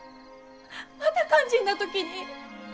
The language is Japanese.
また肝心な時に。